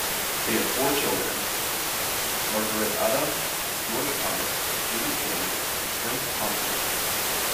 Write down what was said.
They had four children: Marguerite Ada, George Thomas, Judith Janet, and Frank Taunton.